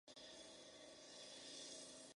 Hay un Club de Golf privado.